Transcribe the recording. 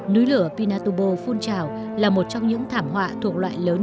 núi lửa pinatubo phun trào là một trong những thảm họa thuộc loại lớn nhất lịch sử